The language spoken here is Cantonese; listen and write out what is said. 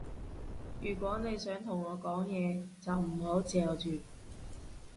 如果你想同我講嘢，就唔好嚼住